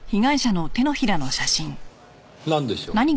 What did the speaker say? これなんでしょう？